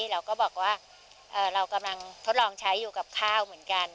เราก็บอกว่าเรากำลังทดลองใช้อยู่กับข้าวเหมือนกัน